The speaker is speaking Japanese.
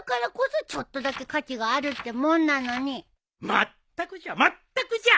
まったくじゃまったくじゃ！